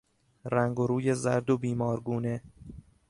رنگ و روی زرد و بیمارگونه